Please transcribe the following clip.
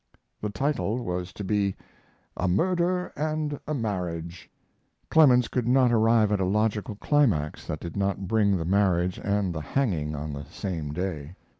The title was to be, "A Murder and a Marriage." Clemens could not arrive at a logical climax that did not bring the marriage and the hanging on the same day.